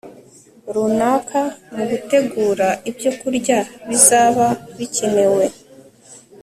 runaka mu gutegura ibyokurya bizaba bikenewe